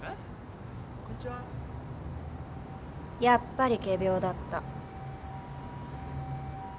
やっぱり仮病だった。